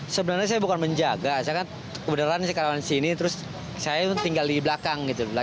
sebenarnya saya bukan menjaga saya kan kebenaran sekarang di sini terus saya tinggal di belakang gitu